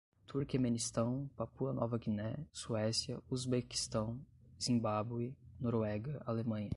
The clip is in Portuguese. Turquemenistão, Papua-Nova Guiné, Suécia, Uzbequistão, Zimbabwe, Noruega, Alemanha